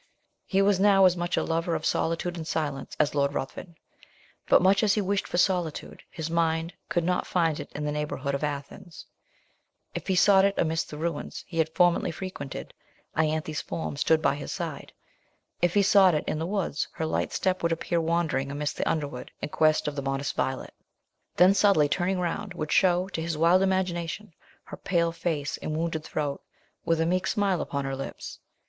He was now as much a lover of solitude and silence as Lord Ruthven; but much as he wished for solitude, his mind could not find it in the neighbourhood of Athens; if he sought it amidst the ruins he had formerly frequented, Ianthe's form stood by his side if he sought it in the woods, her light step would appear wandering amidst the underwood, in quest of the modest violet; then suddenly turning round, would show, to his wild imagination, her pale face and wounded throat, with a meek smile upon her lips.